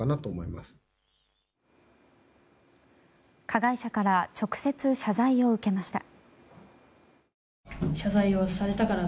加害者から直接、謝罪を受けました。